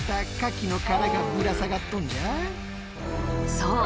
そう！